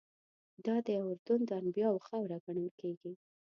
دادی اردن د انبیاوو خاوره ګڼل کېږي.